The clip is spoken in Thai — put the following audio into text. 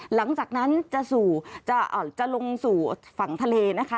หลังจากนั้นจะลงสู่ฝั่งทะเลนะคะ